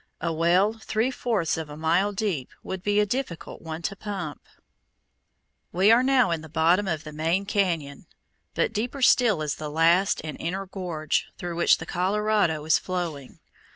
A well three fourths of a mile deep would be a difficult one to pump. We are now in the bottom of the main cañon, but deeper still is the last and inner gorge, through which the Colorado is flowing.